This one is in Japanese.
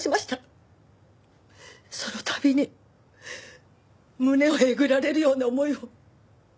そのたびに胸をえぐられるような思いを。